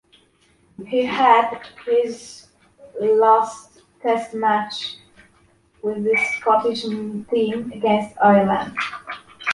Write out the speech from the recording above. He had his last test match with the Scottish team against Ireland.